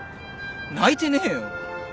泣いてねえよ。